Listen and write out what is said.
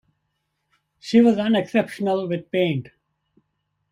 She was unexceptional with paint.